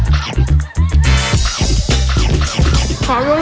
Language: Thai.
อีกแล้วโง่ทำไรล่ะ